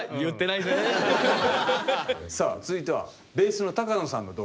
さあ続いてはベースの高野さんの動画です。